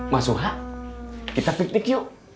mas suha kita piknik yuk